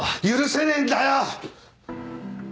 許せねえんだよ！